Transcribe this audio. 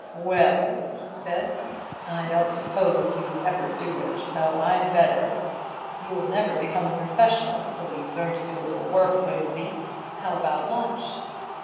"Well," he said, "I don't suppose you'd ever do it, so I'd better. You'll never become a professional till you learn to do a little work, Wimsey. How about lunch?"